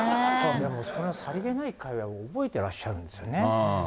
でもそんなさりげない会話を覚えてらっしゃるんですよね。